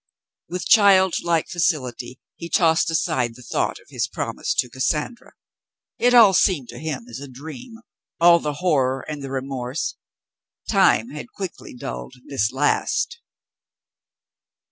With childlike facility he tossed aside the thought of his promise to Cassandra. It all seemed to him as a dream — all the horror and the remorse. Time had quickly dulled this last.